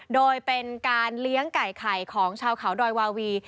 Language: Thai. โดยเป็นการเลี้ยงไก่ไข่ของชาวเขาดอยวาวี